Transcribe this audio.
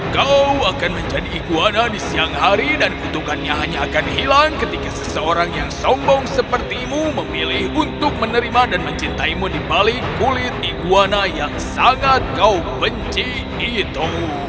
kau akan menjadi iguana di siang hari dan kutukannya hanya akan hilang ketika seseorang yang sombong sepertimu memilih untuk menerima dan mencintaimu dibalik kulit iguana yang sangat kau benci itu